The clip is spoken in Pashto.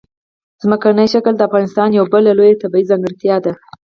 ځمکنی شکل د افغانستان یوه بله لویه طبیعي ځانګړتیا ده.